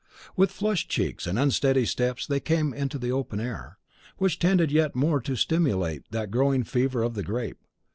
With flushed cheeks and unsteady steps they came into the open air, which tended yet more to stimulate that glowing fever of the grape.